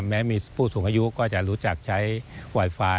แม้มีผู้สูงอายุก็จะรู้จักใช้ไวไฟ